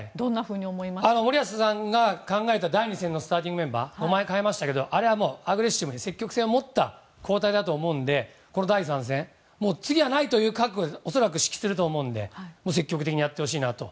森保さんが考えた第２戦のスターティングメンバー５枚代えましたけどあれはアグレッシブに積極性を持った交代だと思うので第３戦次はないという覚悟で恐らく、指揮すると思うので積極的にやってほしいなと。